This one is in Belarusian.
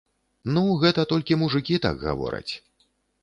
Ну, гэта толькі мужыкі так гавораць.